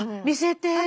見せて。